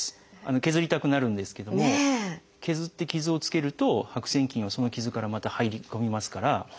削りたくなるんですけども削って傷をつけると白癬菌がその傷からまた入り込みますから。